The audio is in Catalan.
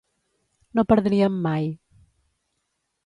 No perdríem mai.